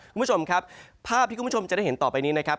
คุณผู้ชมครับภาพที่คุณผู้ชมจะได้เห็นต่อไปนี้นะครับ